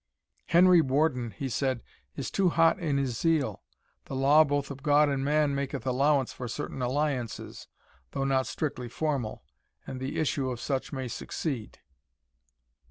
"Henry Warden," he said, "is too hot in his zeal. The law both of God and man maketh allowance for certain alliances, though not strictly formal, and the issue of such may succeed."